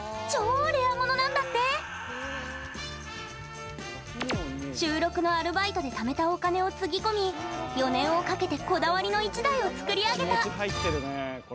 超レア物なんだって週６のアルバイトでためたお金をつぎ込み４年をかけてこだわりの１台を作り上げた。